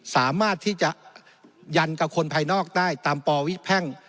สามารถที่จะยันกับคนภายนอกได้ตามปวิแพ่ง